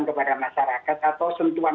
kepada masyarakat atau sentuhan